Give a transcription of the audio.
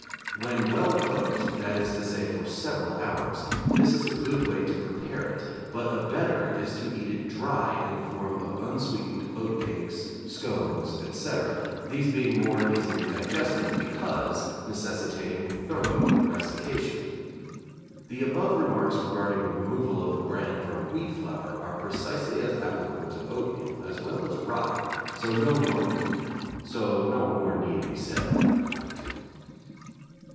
When well cooked, that is to say, for several hours, this is a good way to prepare it, but a better is to eat it dry in the form of unsweetened oatcakes, scones, etc., these being more easily digested because necessitating thorough mastication. The above remarks regarding the removal of the bran from wheat flour are precisely as applicable to oatmeal, as well as rye, so no more need be said on that point.